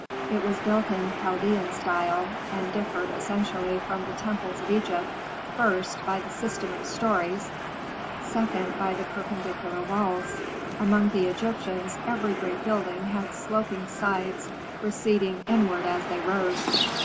It was built in Chaldean style, and differed essentially from the temples of Egypt, first, by the system of stories, second, by the perpendicular walls. Among the Egyptians every great building had sloping sides receding inward as they rose.